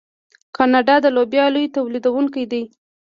کاناډا د لوبیا لوی تولیدونکی دی.